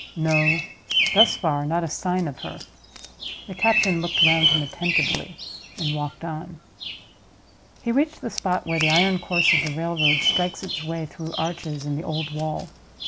No; thus far, not a sign of her. The captain looked round him attentively, and walked on. He reached the spot where the iron course of the railroad strikes its way through arches in the old wall.